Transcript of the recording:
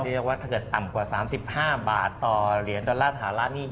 เทียบว่าถ้าเกิดต่ำกว่าสามสิบห้าบาทต่อเหรียญดอลลาร์นี่